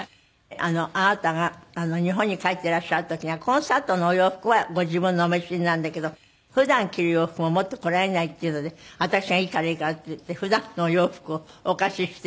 あなたが日本に帰っていらっしゃる時にはコンサートのお洋服はご自分のお召しになるんだけど普段着る洋服を持ってこられないっていうので私が「いいからいいから」って言って普段のお洋服をお貸しして。